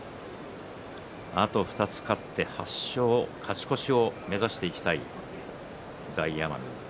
あと２つ勝って、８勝勝ち越しを目指していきたい大奄美。